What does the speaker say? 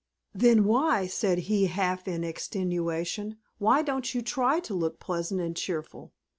"Then why," said he, half in extenuation, "why don't you try to look pleasant and cheerful?